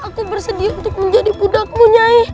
aku bersedia untuk menjadi buddha kemunyai